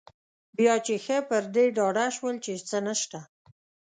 بیا چې ښه پر دې ډاډه شول چې څه نشته.